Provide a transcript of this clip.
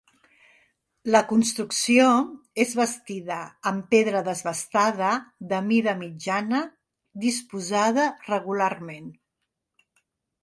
La construcció és bastida amb pedra desbastada de mida mitjana, disposada regularment.